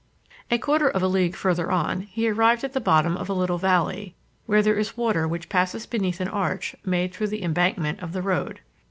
A quarter of a league further on, he arrived at the bottom of a little valley, where there is water which passes beneath an arch made through the embankment of the road.